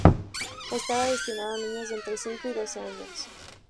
Estaba destinado a niños de entre cinco y doce años.